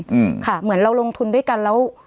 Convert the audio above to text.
อืมค่ะเหมือนเราลงทุนด้วยกันแล้ว